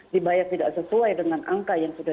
dibayar tidak sesuai dengan angka yang sudah